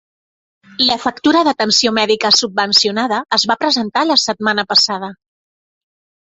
La factura d'atenció mèdica subvencionada es va presentar la setmana passada.